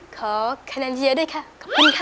ขอขนาดเยอะด้วยค่ะขอบคุณค่ะ